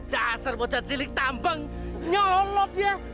dasar bocah kecil ikut tambang nyalot ya